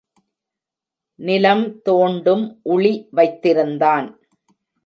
நிலம் தோண்டும் உளி வைத்திருந்தான்.